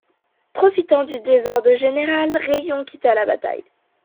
Profitant du désordre général, Rayón quitta la bataille.